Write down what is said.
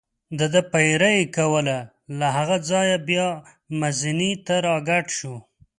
دده پیره یې کوله، له هغه ځایه بیا مزینې ته را کډه شو.